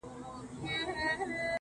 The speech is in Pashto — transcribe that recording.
د زړه له درده درته وايمه دا.